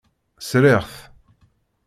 Sriɣ-t.